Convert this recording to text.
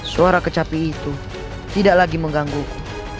suara kecapi itu tidak lagi mengganggu ku